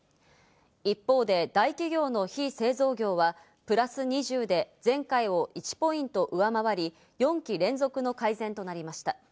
一方で大企業の非製造業はプラス２０で前回を１ポイント上回り、４期連続の改善となりました。